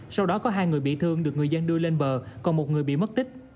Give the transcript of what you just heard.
sau đó có hai người bị thương được người dân đưa lên bờ còn một người bị mất tích